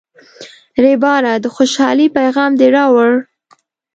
ریبراه، د خوشحالۍ پیغام دې راوړ.